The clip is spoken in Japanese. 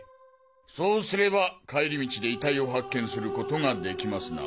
そうすれば帰り道で遺体を発見することができますな。